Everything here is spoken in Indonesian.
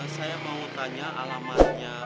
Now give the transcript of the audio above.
saya mau tanya alamannya